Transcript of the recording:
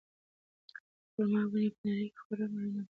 خورما ونې په نړۍ کې خورا مهم نباتات دي.